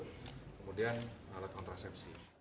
kemudian alat kontrasepsi